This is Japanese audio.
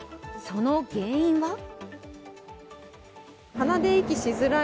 その原因は？